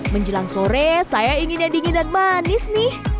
menjelang sore saya ingin yang dingin dan manis nih